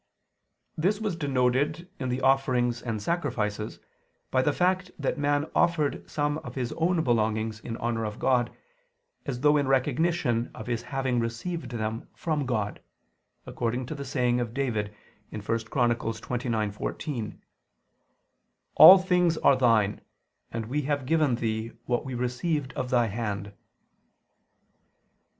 This was denoted in the offerings and sacrifices, by the fact that man offered some of his own belongings in honor of God, as though in recognition of his having received them from God, according to the saying of David (1 Paral. xxix, 14): "All things are Thine: and we have given Thee what we received of Thy hand."